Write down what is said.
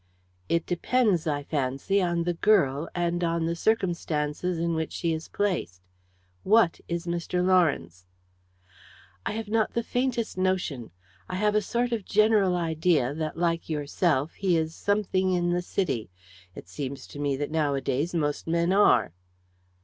"It depends, I fancy, on the girl, and on the circumstances in which she is placed. What is Mr. Lawrence?" "I have not the faintest notion. I have a sort of general idea that, like yourself, he is something in the City. It seems to me that nowadays most men are."